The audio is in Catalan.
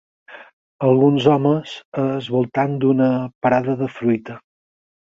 Alguns homes al voltant d'una parada de fruita